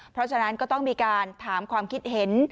เพราะฉะนั้นก็ต้องมีการถามความคิดเห็น